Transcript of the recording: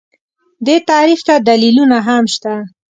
دې تعریف ته دلیلونه هم شته